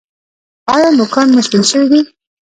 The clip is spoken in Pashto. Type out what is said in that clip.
ایا نوکان مو سپین شوي دي؟